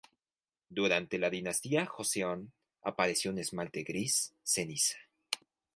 Durante la dinastía Joseon apareció un esmalte gris ceniza.